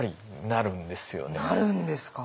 なるんですか。